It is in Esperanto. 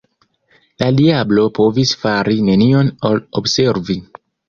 La diablo povis fari nenion ol observi.